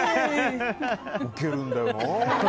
ウケるんだよな。